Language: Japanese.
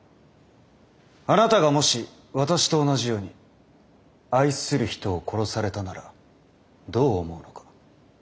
あなたがもし私と同じように愛する人を殺されたならどう思うのか。